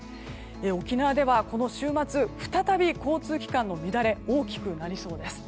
沖縄ではこの週末再び交通機関の乱れが大きくなりそうです。